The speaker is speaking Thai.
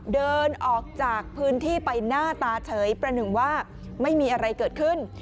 เดินออกจากพื้นที่ไปหน้าตาเฉยประหนึ่งว่าไม่มีอะไรเกิดขึ้น